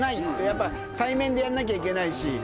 やっぱ対面でやんなきゃいけないし。